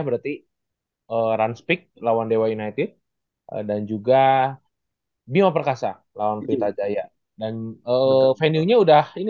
berarti rans pick lawan dewa united dan juga bima perkasa lawan pita jaya dan venuenya udah ini